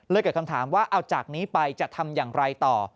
เกิดคำถามว่าเอาจากนี้ไปจะทำอย่างไรต่อ